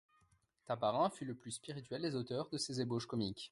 Tabarin fut le plus spirituel des auteurs de ces ébauches comiques.